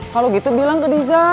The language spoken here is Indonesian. kalau gitu bilang ke riza